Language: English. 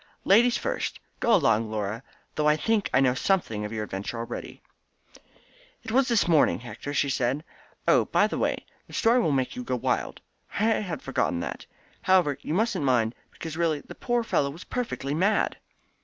"Ladies first! Go along Laura, though I think I know something of your adventure already." "It was this morning, Hector," she said. "Oh, by the way, the story will make you wild. I had forgotten that. However, you mustn't mind, because, really, the poor fellow was perfectly mad."